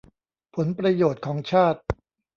ผลประโยชน์ของชาติ